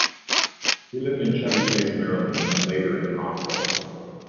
He lived in Chevy Chase, Maryland and later in Rockville.